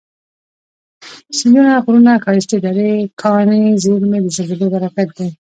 سیندونه، غرونه، ښایستې درې، کاني زیرمي، د زلزلو برکت دی